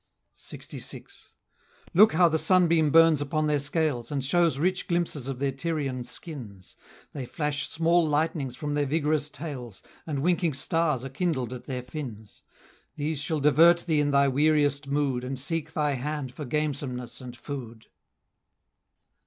LXVI. "Look how the sunbeam burns upon their scales, And shows rich glimpses of their Tyrian skins; They flash small lightnings from their vigorous tails, And winking stars are kindled at their fins; These shall divert thee in thy weariest mood, And seek thy hand for gamesomeness and food."